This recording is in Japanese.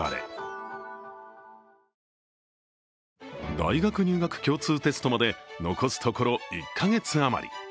大学入学共通テストまで残すところ１か月余り。